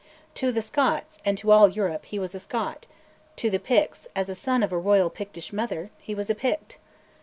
To the Scots and "to all Europe" he was a Scot; to the Picts, as son of a royal Pictish mother, he was a Pict.